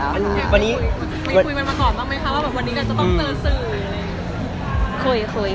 ไม่คุยกันมาก่อนบ้างไหมคะว่าวันนี้จะต้องเจอสื่อ